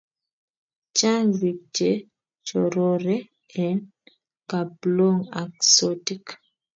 chang pik che shorore en kaplong ak sotik